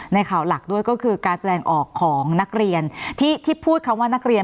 ในข่าวหลักด้วยก็คือการแสดงออกของนักเรียนที่พูดคำว่านักเรียน